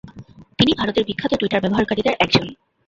তিনি ভারতের বিখ্যাত টুইটার ব্যবহারকারীদের একজন।